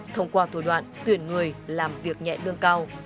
thông qua thủ đoạn tuyển người làm việc nhẹ lương cao